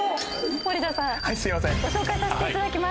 森田さんご紹介させていただきます。